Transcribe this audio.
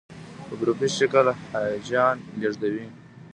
په ګروپي شکل حاجیان لېږدوي.